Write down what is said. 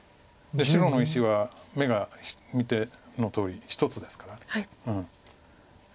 白の石は眼が見てのとおり１つですから。